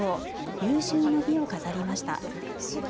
有終の美を飾りました。